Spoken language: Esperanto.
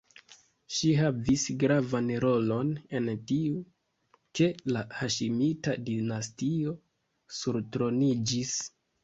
Ŝi havis gravan rolon en tiu, ke la Haŝimita-dinastio surtroniĝis.